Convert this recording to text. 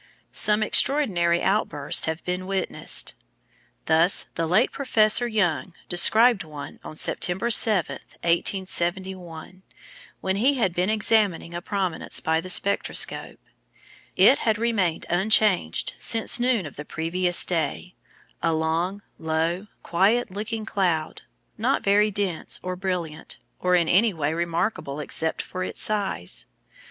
Some extraordinary outbursts have been witnessed. Thus the late Professor Young described one on September 7, 1871, when he had been examining a prominence by the spectroscope: It had remained unchanged since noon of the previous day a long, low, quiet looking cloud, not very dense, or brilliant, or in any way remarkable except for its size.